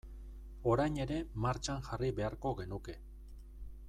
Orain ere martxan jarri beharko genuke.